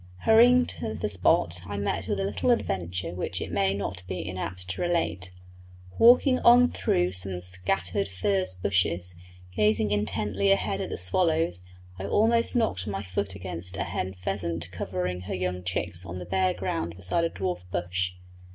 Hurrying to the spot I met with a little adventure which it may not be inapt to relate. Walking on through some scattered furze bushes, gazing intently ahead at the swallows, I almost knocked my foot against a hen pheasant covering her young chicks on the bare ground beside a dwarf bush.